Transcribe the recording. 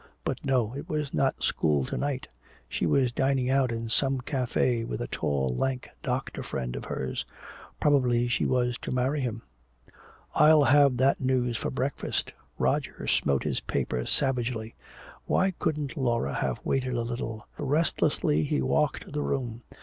But no, it was not school to night. She was dining out in some café with a tall lank doctor friend of hers. Probably she was to marry him! "I'll have that news for breakfast!" Roger smote his paper savagely. Why couldn't Laura have waited a little? Restlessly he walked the room.